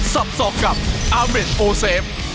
สับสอกกับอาเมดโอเซฟ